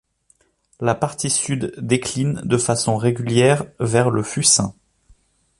La partie sud décline de façon régulière vers le Fucin.